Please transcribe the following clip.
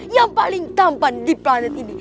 yang paling tampan di planet ini